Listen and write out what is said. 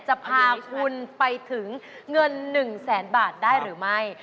จะพาคุณไปถึงเงิน๑แสนบาทได้หรือไม่